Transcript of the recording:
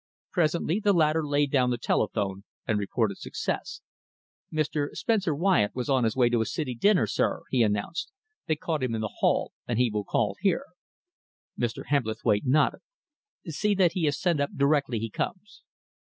Presently the latter laid down the telephone and reported success. "Mr. Spencer Wyatt was on his way to a city dinner, sir," he announced. "They caught him in the hall and he will call here." Mr. Hebblethwaite nodded. "See that he is sent up directly he comes."